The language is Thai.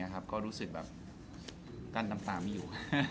ก็รู้สึกแบบกั้นน้ำตาไม่อยู่